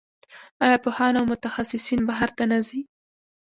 آیا پوهان او متخصصین بهر ته نه ځي؟